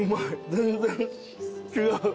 全然違う。